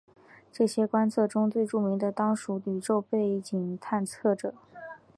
这些观测中最著名的当属宇宙背景探测者。